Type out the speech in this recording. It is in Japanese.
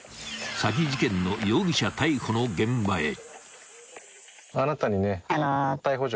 ［詐欺事件の容疑者逮捕の現場へ］